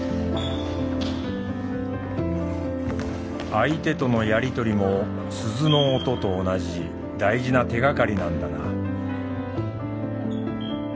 相手とのやり取りも鈴の音と同じ大事な手がかりなんだな。